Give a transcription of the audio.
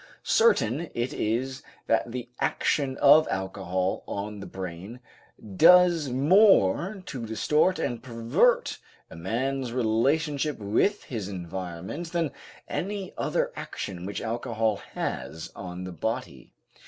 Certain it is that the action of alcohol on the brain does more to distort and pervert a man's relationship with his environment than any other action which alcohol has on the body.